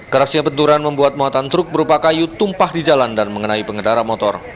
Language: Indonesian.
kerasnya benturan membuat muatan truk berupa kayu tumpah di jalan dan mengenai pengendara motor